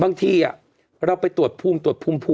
บางทีเราไปตรวจภูมิ